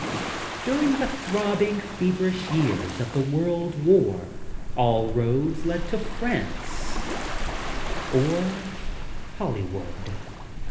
URING the throbbing, feverish years of the World War all roads led to France or — Hollywood.